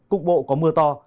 cục bộ có mưa to